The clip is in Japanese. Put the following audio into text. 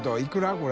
これ。